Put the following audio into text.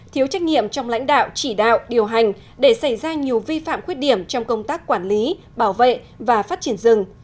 thiếu trách nhiệm trong lãnh đạo chỉ đạo điều hành để xảy ra nhiều vi phạm khuyết điểm trong công tác quản lý bảo vệ và phát triển rừng